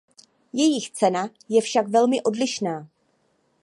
Jejich cena je však velmi odlišná.